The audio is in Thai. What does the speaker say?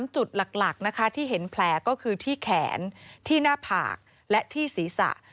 จุดหลักนะคะที่เห็นแผลก็คือที่แขนที่หน้าผากและที่ศีรษะ